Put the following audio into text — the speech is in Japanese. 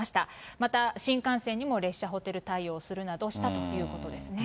また、新幹線にも列車ホテル対応するなどしたということですね。